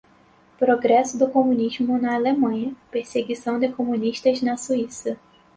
Progresso do Comunismo na Alemanha - Perseguição de Comunistas na Suíça